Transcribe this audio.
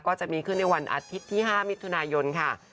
ก็จะมีขึ้นในวันอาทิตย์ที่๕มิถุนายนค่ะ